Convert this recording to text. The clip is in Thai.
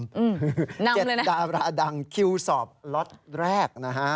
นำเลยนะฮะ๗ดาราดังคิวสอบล็อตแรกนะฮะ